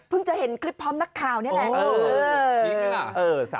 จะเห็นคลิปพร้อมนักข่าวนี่แหละ